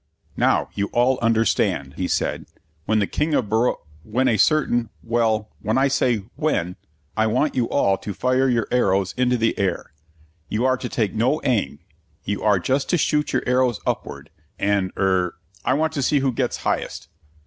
"Now you all understand," he said. "When the King of Baro when a certain well, when I say 'when,' I want you all to fire your arrows into the air. You are to take no aim; you are just to shoot your arrows upwards, and er I want to see who gets highest.